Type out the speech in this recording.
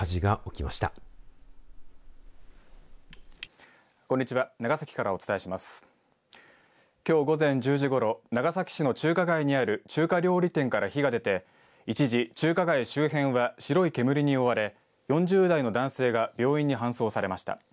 きょう午前１０時ごろ長崎市の中華街にある中華料理店から火が出て一時、中華街周辺は白い煙に覆われ４０代の男性が病院に搬送されました。